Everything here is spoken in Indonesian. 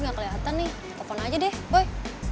gak kelihatan nih telepon aja deh boy